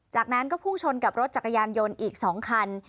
จากนั้นก็พุ่งชนกับรถจักรยานยนต์อีก๒คัน